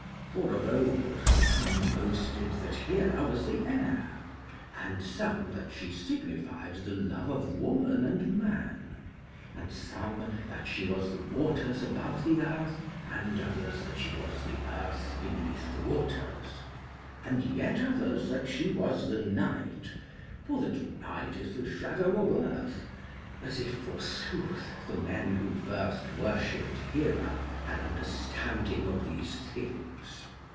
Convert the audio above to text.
For of old some boasted that Hera was the Air; and some that she signified the love of woman and man; and some that she was the waters above the Earth; and others that she was the Earth beneath the waters; and yet others that she was the Night, for that Night is the shadow of Earth: as if, forsooth, the men who first worshipped Hera had understanding of these things!